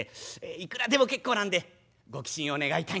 いくらでも結構なんでご寄進を願いたいんですがね」。